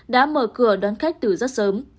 đã mở cửa đón khách từ rất sớm